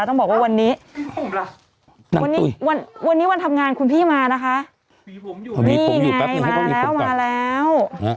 ต้องบอกว่าวันนี้วันนี้วันทำงานคุณพี่มานะคะนี่ไงมาแล้วมาแล้ว